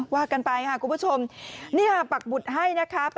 ว่ากันไปค่ะคุณผู้ชมนี่ค่ะปักบุตรให้นะคะ